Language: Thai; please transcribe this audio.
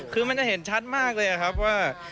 คือมันจะเห็นชัดมากเลยครับว่า